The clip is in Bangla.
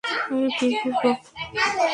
এর কী করবো?